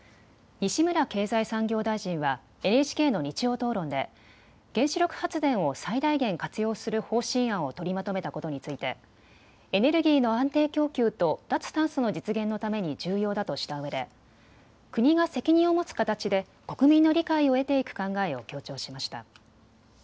西村経済産業大臣はＮＨＫの日曜討論で原子力発電を最大限活用する方針案を取りまとめたことについてエネルギーの安定供給と脱炭素の実現のために重要だとしたうえで国が責任を持つ形で国民の理解を得ていく考えを強調しました。